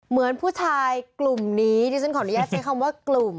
เหมือนผู้ชายกลุ่มนี้ที่ฉันขออนุญาตใช้คำว่ากลุ่ม